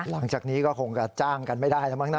หลังจากนี้ก็คงจะจ้างกันไม่ได้แล้วมั้งนะ